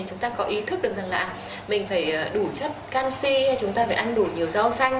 chúng ta có ý thức được rằng là mình phải đủ chất canxi hay chúng ta phải ăn đủ nhiều rau xanh